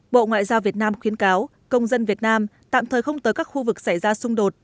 bộ ngoại giao việt nam khuyến cáo công dân việt nam tạm thời không tới các khu vực xảy ra xung đột